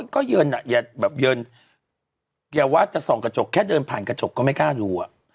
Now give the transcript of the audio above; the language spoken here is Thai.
ก็เยินอ่ะอย่าแบบเยินอย่าว่าจะส่องกระจกแค่เดินผ่านกระจกก็ไม่กล้าดู